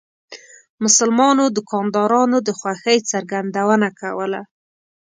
مسلمانو دکاندارانو د خوښۍ څرګندونه کوله.